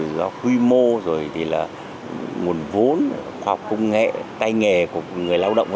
do quy mô rồi thì là nguồn vốn hoặc công nghệ tay nghề của người lao động v v